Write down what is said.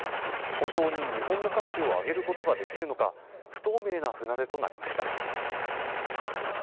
本当に日本の価値を上げることができるのか不透明な船出となりました。